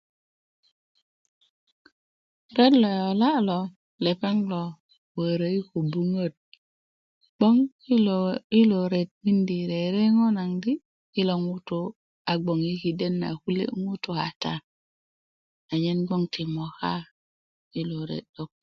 ret lo yola lo lepeŋ lo wörö i kobuŋuöt 'boŋ i lo ret mindo rereŋo naŋ di kilo ŋutu a bgoŋ i kiden na kulye ŋutu kata anyen bgoŋ ti moka i lo ret